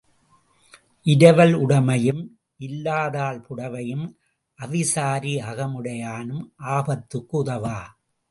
இரவல் உடைமையும் இல்லாதாள் புடைவையும், அவிசாரி அக முடையானும் ஆபத்துக்கு உதவா.